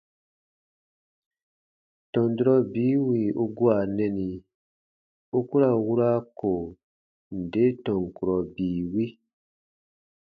Tɔn durɔ bii wì u gua nɛni u ku ra wura ko nde tɔn kurɔ bii wi.